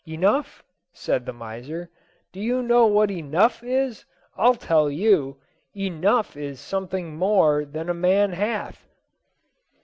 'Enough!' said the miser; 'do you know what enough is? I'll tell you Enough is something more than a man hath!'"